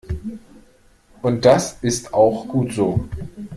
Und das ist auch gut so.